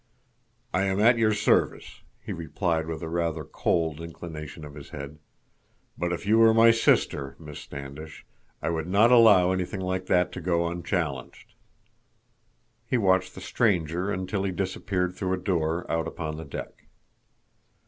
"I am at your service," he replied with a rather cold inclination of his head. "But if you were my sister, Miss Standish, I would not allow anything like that to go unchallenged." He watched the stranger until he disappeared through a door out upon the deck.